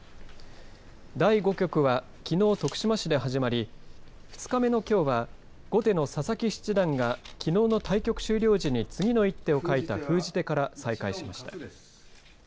第５局はきのう徳島市で始まり２日目のきょうは後手の佐々木七段がきのうの対局終了時に次の１手を書いた封じ手から再開しました。